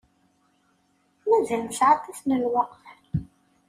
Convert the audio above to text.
Mazal nesεa aṭas n lweqt.